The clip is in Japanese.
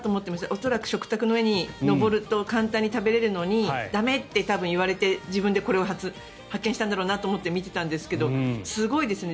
恐らく食卓の上に乗ると簡単に食べられるのに駄目と言われて自分でこれを発見したんだろうなと思って見ていたんですがすごいですね。